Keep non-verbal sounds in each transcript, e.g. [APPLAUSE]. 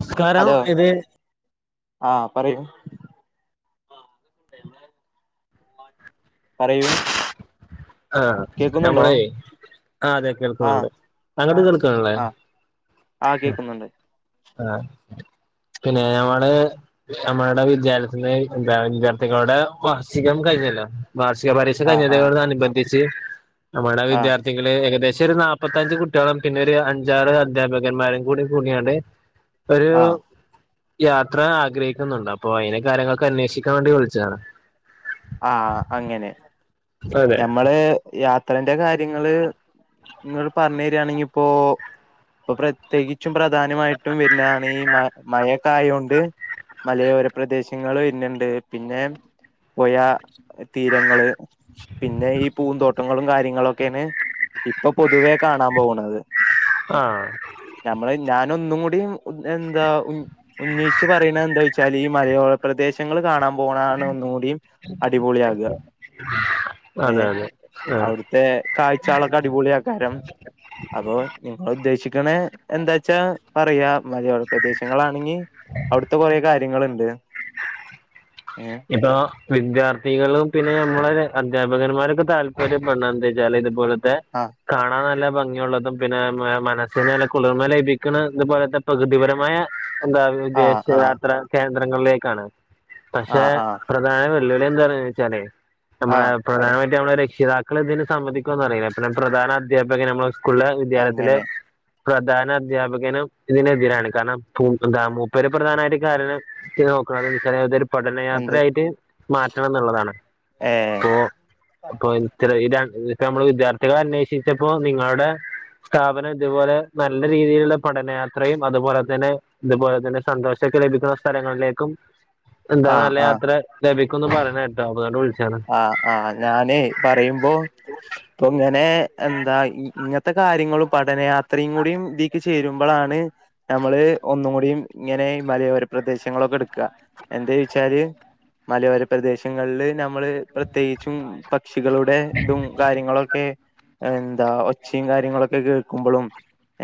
നസ്കാരം ഇത് ആഹ് പറയൂ [INAUDIBLE] പറയൂ ആഹ് കേക്കുന്നുണ്ടോ നമ്മളെ ആ അതെ ആ കേൾക്കുന്നുണ്ട് അങ്ങോട്ട് കേൾക്കണില്ലേ ആഹ് കേക്കുന്നുണ്ട് ആഹ് പിന്നെ ഞമ്മള് നമ്മുടെ വിദ്യാലയത്തിലെ എന്താ വിദ്യാർത്ഥികളുടെ വാർഷികം കഴി വർഷിക പരീക്ഷ ആ ആ കഴിഞ്ഞതോടനുബന്ധിച്ച് നമ്മുടെ ആ വിദ്യാർത്ഥികള് ഏകദേ പക്ഷ ഒരു നാല്പ്പത്തഞ്ച് കുട്ടികളും പിന്നെ ഒരു അഞ്ചാറ് അധ്യാപകന്മാരും കൂടി കൂടിയണ്ട് ഒരു ആ യാത്ര ആഗ്രഹിക്കുന്നുണ്ട് അപ്പൊ അയിന് കാര്യങ്ങളൊക്കെ അന്വേഷിക്കാൻ വേണ്ടി വിളിച്ചതാണ് ആഹ് അങ്ങനെ അതെ ഞമ്മള് യാത്രന്റെ കാര്യങ്ങള് നിങ്ങൾ പറഞ്ഞു തരിയാണെങ്കി ഇപ്പോ ഇപ്പൊ പ്രത്യേകിച്ച് ഏറ്റവും പ്രധാനമായിട്ടും വരുന്നതാണ് ഈ മഴൊക്കെയോണ്ട് മലയോര പ്രദേശങ്ങളും പിന്നെയണ്ട് പിന്നെ പുഴ തീരങ്ങള് പിന്നെ ഈ പൂന്തോട്ടം കട്ടങ്ങളും കാര്യങ്ങളുമൊക്കെയാണ് ഇപ്പൊ പൊതുവേ കാണാൻ പോകുന്നത് ആഹ് ഒന്നും കൂടി എന്താ ഉന്നയിച്ചു പറയണ എന്താ വെച്ചാൽ ഈ മലയോള പ്രദേശങ്ങൾ കാണാൻ പോകണാണ് ഒന്നുകൂടിയും അടിപൊളിയാകുക ഏ അതെ അതെ ആ അവിടുത്തെ കാഴ്ചകളൊക്കെ അടിപൊളി ആക്കാരം അപ്പൊ നിങ്ങ ഉദ്ദേശിക്കണ എന്താച്ച പറയാ മലയോര പ്രദേശങ്ങളാണെങ്കിൽ അവിടുത്തെ കുറേ കാര്യ കാര്യങ്ങളുണ്ട് ഏ എപ്പ വിദ്യാർത്ഥികളും പിന്നെ നമ്മള അധ്യാപകന്മാരൊക്കെ താല്പര്യംപ്പെട എന്താ വെച്ചാൽ ഇതുപോലെ ആ കാണാൻ നല്ല ഭംഗിയുള്ളതും പിന്നെ മനസ്സിനല്ലെ കുളിർമ ലഭിക്കുന്ന ഇതുപോലത്തെ പ്രകൃതിപരമായ- എന്താ ആ ആ വിദേശയാത്ര കേന്ദ്രങ്ങളിലേക്കാണ് ആ പക്ഷെ ആ പ്രധാന- ആ നമ്മള പറ പ്രധാനമായിട്ട് നമ്മള് രക്ഷിതാക്കൾ ഇതിന് സമ്മതിക്കുവോന്ന്- പ്രധാന അധ്യാപക നമ്മൾ സ്കൂള വിദ്യാലയത്തില് അങ്ങനെ പ്രധാന അദ്ധ്യാപകനും ഇതിനെതിരാണ് കാരണം എന്താ മൂപ്പര് പ്രധാനമായിട്ട് കാരണം- അതൊരു പഠനയാത്ര എന്ത് ആയിട്ട് മാറ്റണം എന്നുള്ളതാണ് ഏ ഇപ്പൊ അപ്പൊ ഇത്ര ഇത- ഇപ്പ നമ്മള് വിദ്യാർത്ഥികള അന്വേഷിച്ചപ്പോ നിങ്ങളുടെ- സ്ഥാപനം ഇതുപോലെ നല്ല രീതിയിലുള്ള പഠനയാത്രയും അതുപോലെ തന്നെ ഇതുപോലെ തന്നെ സന്തോഷ- ലഭിക്കുന്ന സ്ഥലങ്ങളിലേക്കും എന്താ ആ നല്ല ആ യാത്ര ലഭിക്കുംന്ന് പറയണ കേക്കാം ആ് ആഹ ഞാനേ പറയുമ്പോ ഇപ്പൊ ഇങ്ങനെ- എന്താ ഇങ്ങനത്തെ കാര്യങ്ങളും പഠനം അത്രയും കൂടും ഇതിക്ക് ചേരും നമ്മള് ഒന്നും കൂട ഇങ്ങനെ മലയോര പ്രദേശങ്ങളൊക്കെ എടുക്കുക എന്ത- മലയോര പ്രദേശങ്ങളില് നമ്മള് പ്രത്യേകിച്ചും പക്ഷികളുടെ ഇതും കാര്യങ്ങളൊക്കെ- എന്താ ഒച്ചയും കാര്യങ്ങളൊക്കെ കേൾക്കുമ്പോഴും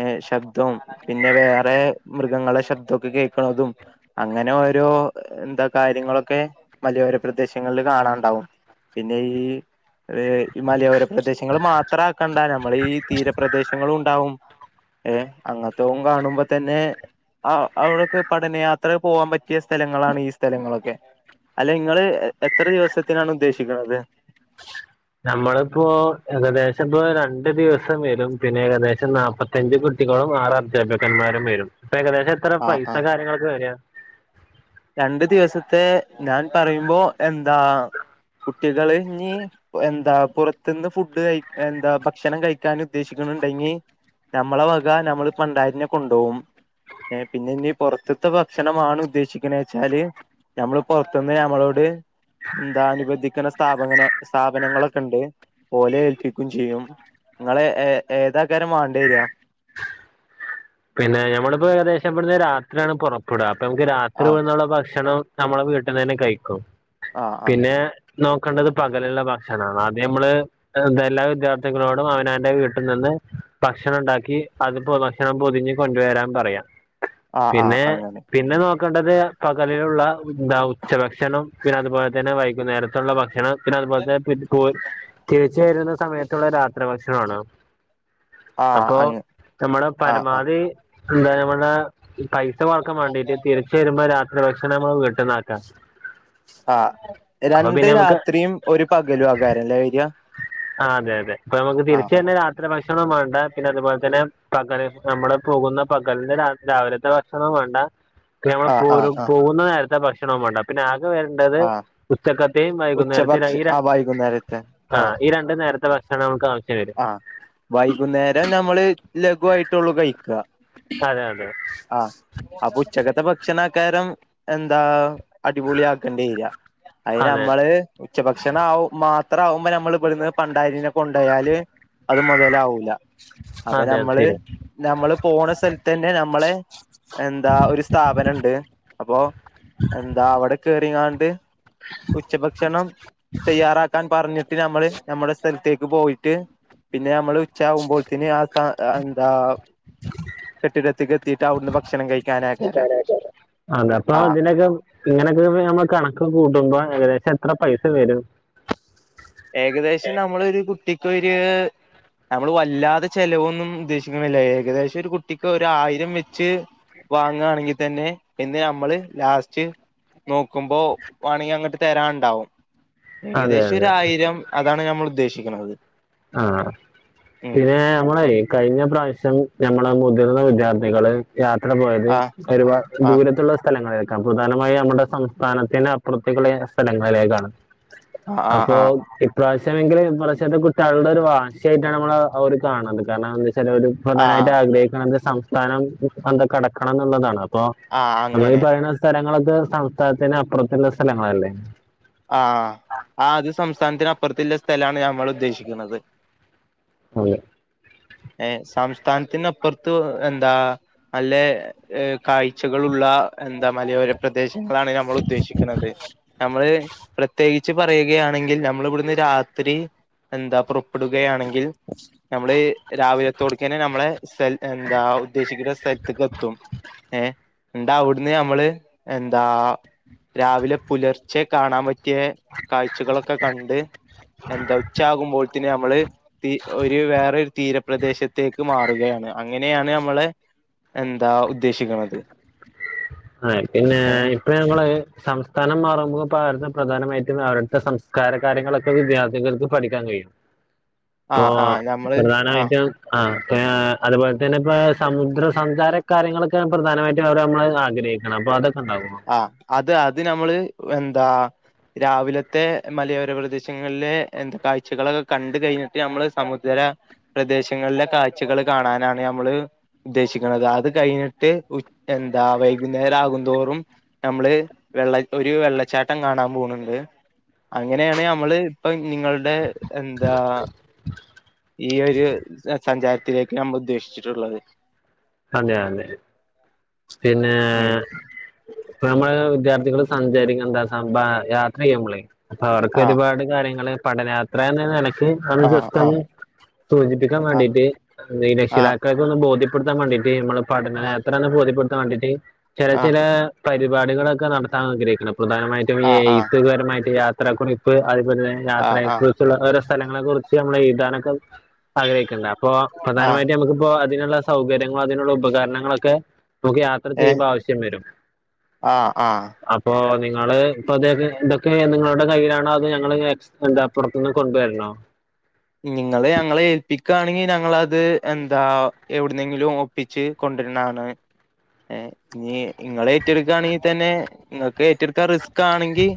ഏ ശബ്ദവും പിന്നെ വേറെ മൃഗങ്ങളെ ശബ്ദമൊക്കെ കേൾക്കണതും- അങ്ങനെ ഓരോ എന്താ കാര്യങ്ങളൊക്കെ മലയോര പ്രദേശങ്ങളിൽ കാണാൻ- ഉണ്ടാവും പിന്നെ ഈ- ഈ മലയോര പ്രദേശങ്ങള്ൾ മാത്ര ആക്കണ്ട നമ്മൾ ഈ തീരപ്രദേശങ്ങളും ഉണ്ടാവും ഏ അങ്ങനത്തും കാണുമ്പോ തന്നെ ആ അവിടെൊക്കെ പഠനയാത്ര പോവാൻ പറ്റിയ സ്ഥലങ്ങളാണ് ഈ സ്ഥലങ്ങളൊക്കെ- അല്ല നിങ്ങള് എത്ര ദിവസത്തിനാണ് ഉദ്ദേശിക്കുന്നത് നമ്മളിപ്പോൊ ഏകദേശം പപ്പോ രണ്ടു ദിവസം വരും പിന്നെ ഏകദേശം നാല്പ്പത്തഞ്ച് കുട്ടികളും ആറ് അധ്യാപകന്മാരും വരും അപ്പ ഏകദേശം എത്ര പൈസ കാര്യങ്ങളൊക്കെ വരിക രണ്ടു ദിവസത്തെ ഞാൻ പറയുമ്പോ എന്താ കുട്ടികള് നീ എന്താ പുറത്തുന്ന് ഫുഡ് കഴ എന്താ ഭക്ഷണം കഴിക്കാന ഉദ്ദേശിക്കുന്നു ഉണ്ടെങ്കി നമ്മളെ വക നമ്മള് പണ്ടായിരനെ കൊണ്ടുപോകും പിന്നെ ഇീ പുറത്തത്തെ ഭക്ഷണ ആമാണ് ഉദ്ദേശിക്ക- എ വെച്ചാല് നഞമ്മള് പുറത്തുന്ന് നഞമ്മളോട്- എന്ത അനുബന്ധിക്കുന്ന സ്ഥാപ സ്ഥാപനങ്ങളൊക്കെണ്ട് പോലെ ഏൽപിക്കും ചെയ്യും നിങ്ങള് ഏതാക്കാരും വേണ്ടി വരിയാ [INAUDIBLE] പിന്നെ ഞമ്മളിപ്പോ ഏകദേശം ഇവിടുന്ന് രാത്രിയാണ് പുറപ്പെടുക അപ്പൊ നമുക്ക് രാത്രി ആഹ് വന്നള്ള ഭക്ഷണം നമ്മളെ വീട്ടിൽന്ന് തന്നെ കഴിക്കും ആഹ് ആഹ് പിന്നെ നോക്കേണ്ടത് പകലുള്ള ഭക്ഷണണംണ് അദ്യ നമ്മള് എല്ലാ വിദ്യാർത്ഥികളോടും അവന അവ്ന്റെ വീട്ടിൽ നിന്ന്- ഭക്ഷണം ഉണ്ടാക്കി അത് ഭക്ഷണം പൊതിഞ്ഞ് കൊണ്ട വരാൻ പറയാം ആഹ് ആഹ് പിന്നെ അങ്ങനെ പിന്നെ നോക്ക- നോക്കണ്ടത് പകലിലുള്ള എന്താ ഉച്ചഭക്ഷണം പിന്നെ അതുപോലെ തന്നെ വൈകുന്നേരത്തുള്ള ഭക്ഷണം പിന്നെ അതുപോലെ തിരിച്ച വരുന്ന സമയത്തുള്ള രാത്രി ഭക്ഷണമാണ് ആഹ് അപ്പൊ അങ്ങ നമ്മടെ ആഹ് ആഹ് പരമാവധി എന്താ നമ്മടെ പൈസ കുറക്കം വേണ്ടീട്ട് തിരിച്ച വരുമ്പോ രാത്രി ഭക്ഷണ കിട്ടുന്നാക്കാം ആഹ രണ്ട് രാത്രിയും ഒരു പകല ആകാരല്ലേര് ആ അതെ അതെ അപ്പൊ നമുക്ക് തിരിച്ച തന്നെ രാത്രി ഭക്ഷ- ഭക്ഷണം വേണ്ട പിന്നെ അതുപോലെ തന്നെ പകൽ നമ്മള് പോകുന്ന പകലന്ന് രാവിലത്തെ ഭക്ഷണം വേണ്ട നമ്മ ആഹ് ആഹ് പോ ആഹ് ആഹ് പോകുന്ന നേരത്തെ ഭക്ഷണവും വേണ്ട പിന്നെ ആ- വരേണ്ടത് ആഹ് പുസ്തകത്തെയും ഉച്ചഭക്ഷ വൈകുന്നേര- ആഹ് വൈകുന്നേരത്തെ ആ ഈ രണ്ടു നേരത്തെ ഭക്ഷണം നമു ആ ആഹ വൈകുന്നേരം നമ്മള് ലഘുവായിട്ടള്ളൂ കഴിക്കുക അതെ അതെ ആഹ അപ്പൊ ഉച്ചകത്തെ ഭക്ഷണക്കാരം എന്താ അടിപൊളി ആക്കേണ്ടി വരിക അതിന് അതെ നമ്മള് ഉച്ചഭക്ഷണം ആ മാ അത്ര ആകുമ്പോ നമ്മൾ ഇവിടെന്ന് പണ്ടരിനെ കൊണ്ടപോയാല് അത് മുതലാവൂല അപ്പൊ അതെ അത് നമ്മള് ശരി നമ്മള് പോണ സ്ഥലത്ത് തന്നെ നമ്മളെ എന്താ ഒരു സ്ഥാപനുണ്ട് അപ്പൊ എന്താ അവിടെ കയറിങ്ങാണ്ട് ഉച്ചഭക്ഷണം തയ്യാറാക്കാൻ പറഞ്ഞിട്ട് നമ്മള് നമ്മുടെ സ്ഥലത്തേക്ക് പോയി. റ്റ് പിന്നെ നമ്മള് ഉച്ചാവുമ്പോൾത്തിന് ആ അന്താ കെട്ടിടത്തികത്തിയിട്ട് അവിടുന്ന് ഭക്ഷണം കഴി അതെ അപ്പൊ അതിനെക്ക ഇങ്ങനെയൊക്കെ പിന്നെ നമ്മ കണക്ക് കൂട്ടുമ്പോ ഏകദേശം എത്ര പൈസ വരും ഏകദേശം നമ്മളൊരു കുട്ടിക്ക് ഒര് നമ്മള് വല്ലാതെ ചെലവൊന്നും ഉദ്ദേശിക്കണില്ല ഏകദേശം ഒരു കുട്ടിക്ക് ഒരായിരം വെച്ച് വാങ്ങുകയാണെങ്കിൽ തന്നെ പിന്നെ നമ്മള് ലാസ്റ്റ് നോക്കുമ്പോ വേണങ്കി അങ്ങട്ട് തരാൻണ്ടാവും അതെ അതെ ആയിരം അതാണ് ഞമ്മൾ ഉദ്ദേശിക്കുന്നത് ആ പിന്നെ നമ്മളെ കഴിഞ്ഞ പ്രാവശ്യം ഞമ്മള മുതിർന്ന വിദ്യാർത്ഥികള് യാത്ര പോയത് ആ ഒരുപാട് ആ ദൂരത്തുള്ള സ്ഥലങ്ങ കമ്പുധനമായ നമ്മുടെ സംസ്ഥാനത്തിന് അപ്പുറത്തേക്കുള്ള സ്ഥലങ്ങളിലേക്കാണ്. ആ ആ അപ്പൊ ആ ഇപ്രാവശ്യമെങ്കില് നമ്മള് ചണ്ടൊരു വാശിയായിട്ടാണ് നമ്മള് ആ ഒരു കാണത് കാരണം എന്തൊച്ചാല് ഒരു പ്രധാനമായിട്ട് ആഹ് ആഗ്രഹിക്കണത് സം സ്ഥാനം അത് കടക്കണം എന്നുള്ളതാണ് അപ്പൊ ആഹ് നമ്മൾ ഈ അങ്ങനെ പറയുന്ന സ്ഥലങ്ങള ത് സംസ്ഥാനത്തിന് അപ്പുറത്തുള്ള സ്ഥലങ്ങളല്ലേ? ആഹ് ആ അത് സംസ്ഥാനത്തിന് അപ്പുറത്തില്ല സ്ഥലാണ് ഞമ്മള് ഉദ്ദേശിക്കണത് അതെ ഏ സംസ്ഥാനത്തിന് അപ്പറത്ത് എന്താ അല്ലേ ഏ കാഴ്ചകൾ ഉള്ള എന്താ മലയോര പ്രദേശങ്ങളാണ് ഞമ്മള് ഉദ്ദേശിക്കുന്നത് ഞമ്മള് പ്രത്യേകിച്ച് പറയുകയാണെങ്കിൽ ഞമ്മളിവിടുന്ന് രാത്രി എന്താ പുറപ്പെടുകയാണെങ്കിൽ ഞമ്മള് രാവിലത്തോടക്കെനാ നമ്മളെ സെൽ എന്താ ഉദ്ദേശിക്കുന്ന സ്ഥല്ത്ത്ക്ക് എത്തും. ഏ ണ്ടഅവിടുന്ന് നമ്മള് എന്താ രാവിലെ പുലർച്ചെ കാണാൻ പ റ്റേ കാഴ്ചകളൊക്കെ കണ്ട് എന്താ ഉച്ചയാകുമ്പോഴത്തിന് നമ്മള് തീ ഒരു വേറെ ഒരു തീരപ്രദേശത്തേക്ക് മാറുകയാണ് അങ്ങനെയാണ് നമ്മളെ എന്താ ഉദ്ദേശിക്കണത്. ആ പിന്നെ ഏഹ് ഇപ്പ ഞങ്ങള് സംസ്ഥാനം മാറുമ്പോൾ പാടത്തെ പ്രധാനമായിട്ടും അവരുടുത്തെ സംസ്കാര കാര്യങ്ങളൊക്കെ വിദ്യാർത്ഥികൾക്ക് പഠിക്കാൻ കഴിയും. പ്പോ ആഹ് ആഹ് ഞമ്മള് ആ പ്രധാനമായിറ്റും ആഹ് അതുപോലെ തന്നെ ഇപ്പ സമുദ്രസഞ്ചാര കാര്യങ്ങളൊക്കെയ പ്രധാനമായിട്ടും അവർ നമ്മള് ആഗ്രഹി വേഗണം അപ്പം അത് ആ അത് അത് നമ്മള് എന്താ രാവിലത്തെ മലയോര പ്രദേശങ്ങളിലെ എന്താ കാഴ്ചകളൊക്കെ കണ്ട് കഴിഞ്ഞിട്ട് ഞമ്മള് സമുദ്ര പ്രദേശങ്ങളിലെ കാഴ്ചകൾ കാണാനാണ് ഞമ്മള് ഉദ്ദേശിക്കണത് അത് കഴിഞ്ഞിട്ട് ഉ എന്താ വൈകുന്നേരം ആകും തോറും നമ്മള് വെള്ളയിപ്പൊരു വെള്ളച്ചാട്ടം കാണാൻ പോവുന്നുണ്ട് അങ്ങനെയാണ് നമ്മള് ഇപ്പൊ നിങ്ങളുടെ എന്താ ഈ ഒരു സഞ്ചാരത്തിലേക്ക് നമ്മള് ഉദ്ദേശിച്ചിട്ടുള്ളത്. അതെ അതെ പിന്നെ ഉം ഇപ്പ നമ്മള് വിദ്യാർത്ഥികള് സഞ്ചരിക്കെന്താ സം ബാ യാത്ര ചെയ്യുമ്പോളേ അപ്പ അവർക്ക് ആഹ് ഒരുപാട് കാര്യങ്ങള് പഠനയാത്രാന്ന്നെലേ [UNINTELLIGIBLE] ആഹ് ജെസ്റ്റൊന്ന് സൂചിപ്പിക്കാൻ ആഹ് വേണ്ടീട്ട് ഈ ആഹ് രക്ഷിതാക്കൾകൊന്ന് ബോധ്യപെ ട്ത്താൻ വേണ്ടീട്ട് നമ്മള് പടന ആഹ് യാത്രാന്ന് ബോധ്യപ്പെടുത്താൻ വേണ്ടിട്ട് ചെല ആഹ് ചെലാ പരിപാടികളൊക്കെ നടത്താൻ ആഗ്രഹിക്കണപ്പളും പ്രധാനമായിട്ടും ഈ ആഹ് ആഹ് എഴത്ത്പരമായിട്ട് യാത്രാകുറിപ്പ് അത്പോലെ ആഹ് ആഹ് യാത്രയെ ആഹ് കുറിച്ചുള്ള ഓരോ സ്ഥലങ്ങളെ കുറിച്ച് നമ്മള് എഴുതാനൊക്കെ ആഗ്രഹിക്ക്ണ്ട് അപ്പൊ ആഹ് പ്രധാനമായിട്ട് നമക്കിപ്പോ അതിനുള്ള സൗകര്യങ്ങളും അതിനുള്ള ഉപകര്ണങ്ങളൊക്കെ നമുക്ക് യാത്ര ഏ ചെയ്യുമ്പോ ആവശ്യം വരും ആഹ് ആഹ് അപ്പോ നിങ്ങ ങ്ങള് ഇപ്പൊതെ ഇതൊക്കെ നിങ്ങളുടെ കയ്യിലാണോ അത് ഞങ്ങള് എസ് എന്താപ്പുറത്തിന്ന് കൊണ്ടുവരണോ നിങ്ങള് ഞങ്ങളെ ഏൽപ്പിക്കാണെങ്കി ഞങ്ങളത് എന്താ എവിടുന്നെങ്കിലും ഒപ്പിച്ച് കൊ ണ്ട്ര്നാണ് ഏ നീ ഇങ്ങളേറ്റെടുക്കാണെങ്കിൽ തന്നെ നിങ്ങക്ക് ഏറ്റെടുക്കാ റിസ്കാണെങ്കി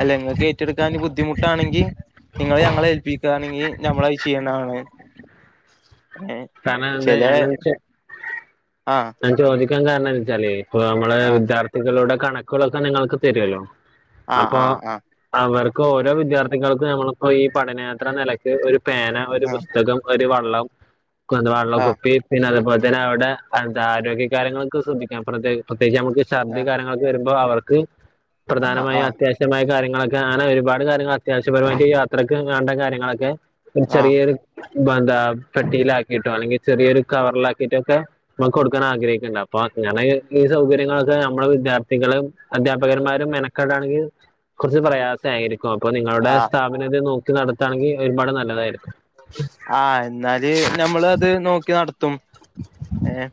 അല്ല ങ്ങക്ക് ഏറ്റെടുക്കാൻ ബുദ്ധിമുട്ടാണെങ്കി നിങ്ങള് ഞങ്ങളെ ഏൽപ്പിക്കാണെങ്കി ഞമ്മളത് ചെയ്യുന്നതാണ് ഏ കാര്ണം അത് ചില [UNINTELLIGIBLE] ആഹ് ഞാൻ ചോദിക്കാൻ കാര്ണംന്ന് വെച്ചാലേ ഇപ്പ നമ്മള് ആഹ് വിദ്യാർഥികളോടൊ കണക്കുകളൊക്കെ നിങ്ങൾക്ക് തരൊല്ലോ ആഹ് അപ്പോ ആഹ് അവർ ഇപ്പോ ഓരോ വിദ്യാർത്ഥികൾക്കും നമ്മളിപ്പോ ഈ പഠനയാത്രാനിലക്ക് ഒരു പേന ഒരു പുസ്തകം ഒരു വ ള്ളം [UNINTELLIGIBLE] ആഹ് ആഹ് വള്ളകുപ്പി പിന്നെ അതേപോൽത തന്നേ അവിടെ എന്താ ആരോഗ്യ കാര്യങ്ങളൊക്കെ ശ്രദ്ധിക്കാം പ്രത്യേകി പ്രത്യേകിച്ച് നമുക്ക് ആഹ് ശർദികാര്യങ്ങളൊക്കെ വരുമ്പ മ്പ അവർക്ക് ആഹ് പ്രധാനമായും ആഹ് അത്യാവശ്യമായ കാര്യങ്ങളൊക്കെ അങ്ങനെ ഒരുപാട് കാര്യങ്ങള് അത്യാവശ്യപരമായിട്ട് യാത്രക്ക് വേണ്ട കാര്യങ്ങളൊക്കേ ഒരു ചറിയ ആഹ് ഒരു ബന്താ പെട്ടിയിലാക്ക് യിട്ടോ അല്ലെങ്കി ചെറിയൊരുകവർലാക്കിയിട്ടോ ഒക്കെ നമുക്ക് കൊടുക്കാൻ ആഗ്രഹിക്ക്ണ്ട് അപ്പൊ അങ്ങനെ ഈ സൗകര്യങ്ങളൊ നമ്മള് വിദ്യാർത്ഥികളും അധ്യാപകന്മാരും മെനക്കാടാണെങ്കി കൊർച്ച് പ്രയാസയിരി ക്കും അപ്പൊ നിങ്ങളുടെ ആഹ് സ്ഥാപനതേ നോക്കി നടത്താണെങ്കി ഒരുപാട് നല്ലതായിരിക്കും ആഹ് എന്നാല് ഞമ്മള് അത് നോക്കി നടത്തും ഏഹ്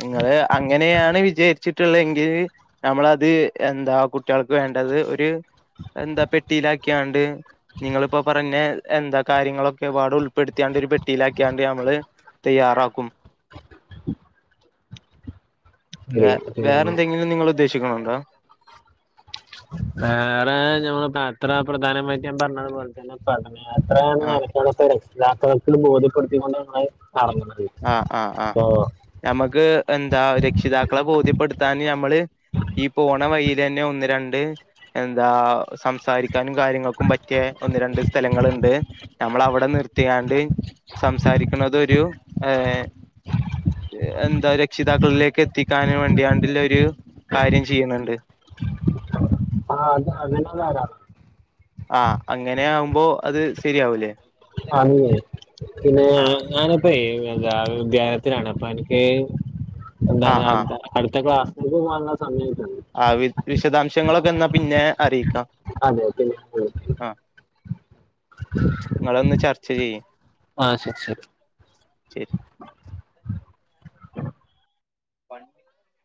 നിങ്ങള് അങ്ങനെയാണ് വിജയ ച്ചിട്ട്ള്ളെങ്കില് നമ്മളത് എന്താ കുട്ടികൾക്ക് വേണ്ടത് ഒരു എന്താ പെട്ടിയിലാക്കിയാണ്ട് നിങ്ങളിപ്പോ പറഞ്ഞ എന്താ കാര്യങ്ങളൊക്കെ പാട് ഉൾ പ്പെടുത്തിയാണ്ട് ഒരു പെട്ടിയിലാക്കിയാണ്ട് നമ്മള് തയ്യാറാക്കും. വേ പിന്നെ വേറെന്തെങ്കിലും നിങ്ങള് ഉദ്ദേശിക്കുന്നുണ്ടോ വേറെ ഞമ്മ അത്ര പ്രധാനമായിട്ട് ഞാൻ പറഞ്ഞതുപോലെ തന്നെ പഠ യാത്രയാണ് ആഹ് [UNINTELLIGIBLE] രക്ഷിതാക്കാൾക്ക് ബോധ്യപ്പെടുത്തി [UNINTELLIGIBLE] ആഹ് ആഹ് ആഹ് ഞമക്ക് എന്താ രക്ഷിതാക്കളെ ബോധ്യപ്പെടുത്താന് ഞമ്മള് ഈ പോണ വഴിലാന്നെ ഒന്ന് രണ്ട് എന്താ സംസാരിക്കാനും കാര്യങ്ങക്കും പറ്റിയെ ഒന്ന് രണ്ട് സ്ഥലങ്ങള്ണ്ട് ഞമ്മള് അവിടെ നിർത്തിയാണ്ട് സംസാരിക്കണതൊരു ഏഹ് എന്താ രക്ഷിതാക്കളിലേക്ക് എത്തി ക്കാന് വേണ്ടിയാണ്ടില് ഒരു കാര്യം ചെയ്യണ് ണ്ട് ആഹ് [INAUDIBLE] ആഹ് അങ്ങനെ ആകുമ്പോ [UNINTELLIGIBLE] പിന്നെ ആഹ് ഞാനപ്പഴേ എന്താ വിദ്യാലത്തിലാണ് അപ്പോ അനക്ക് എന്താണ് ആഹ് ആഹ് അടുത്ത അടുത്ത ക്ലാ [UNINTELLIGIBLE] സമയായി ആഹ് വി വിശദാംശങ്ങളൊക്കെ എന്നാ പിന്നെ അറിയിക്കാം [INAUDIBLE] ആഹ് നിങ്ങളൊന്ന് ചർച്ച ആഹ് ശെരി ശെരി ശെരി [INAUDIBLE]